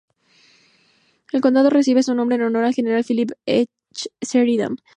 El condado recibe su nombre en honor al general Phillip H. Sheridan.